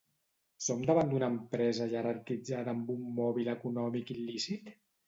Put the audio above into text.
Som davant una empresa jerarquitzada amb un mòbil econòmic il·lícit?